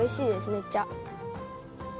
めっちゃ。